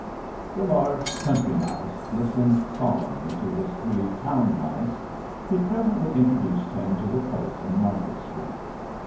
The large Country Mouse listened solemnly to his three Town Mice, who presently introduced him to the place in Market Street.